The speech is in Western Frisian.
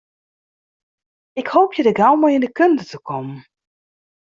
Ik hoopje dêr gau mei yn de kunde te kommen.